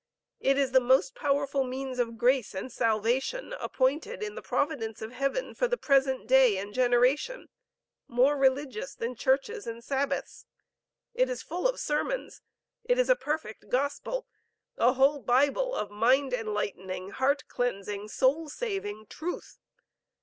It is the most powerful means of grace and salvation appointed in the providence of Heaven, for the present day and generation, more religious than churches and Sabbaths. It is full of sermons. It is a perfect gospel, a whole Bible of mind enlightening, heart cleansing, soul saving truth.